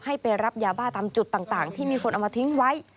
ไปรับยาบ้าตามจุดต่างที่มีคนเอามาทิ้งไว้